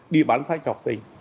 đi bán sách học sinh